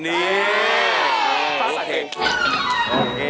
นี่ฟ้าสาเทศ